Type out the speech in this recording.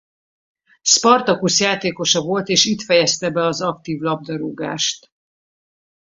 Spartacus játékosa volt és itt fejezte be az aktív labdarúgást.